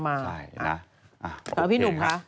เอาพี่หนุ่มค่ะ